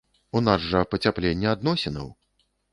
У нас жа пацяпленне адносінаў!